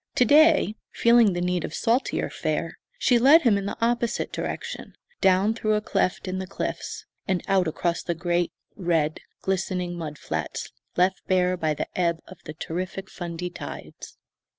To day, feeling the need of saltier fare, she led him in the opposite direction, down through a cleft in the cliffs, and out across the great, red, glistening mud flats left bare by the ebb of the terrific Fundy tides.